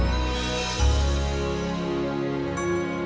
tante lebih sama nyuruh